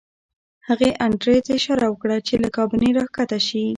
هغې انډریو ته اشاره وکړه چې له کابینې راښکته شي